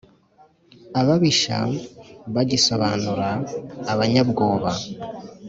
ababisha bagisobanura abanyabwoba.